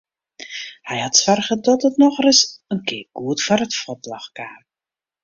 Hy hat soarge dat it nochris in kear goed foar it fuotljocht kaam.